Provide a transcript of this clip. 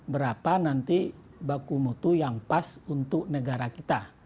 berapa nanti baku mutu yang pas untuk negara kita